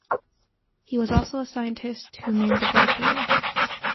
He was also scientist who named the black widow.